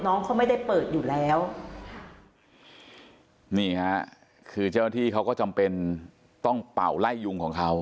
น้องเขาไม่ได้เปิดอยู่แล้วนี่ฮะคือเจ้าหน้าที่เขาก็จำเป็นต้องเป่าไล่ยุงของเขา